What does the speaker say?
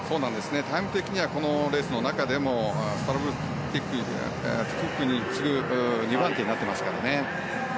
タイム的にはこのレースの中でもスタブルティ・クックに次ぐ２番手になっていますからね。